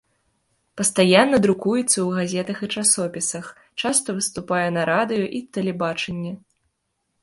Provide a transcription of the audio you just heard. Пастаянна друкуецца ў газетах і часопісах, часта выступае на радыё і тэлебачанні.